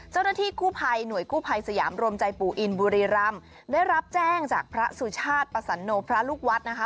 เจ้าหน้าที่กู้ภัยหน่วยกู้ภัยสยามรวมใจปู่อินบุรีรำได้รับแจ้งจากพระสุชาติประสันโนพระลูกวัดนะคะ